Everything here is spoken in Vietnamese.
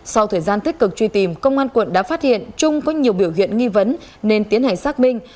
sau thời gian tích cực truy tìm công an quận đã phát hiện trung có nhiều biểu hiện nghi vấn nên tiến hành xác minh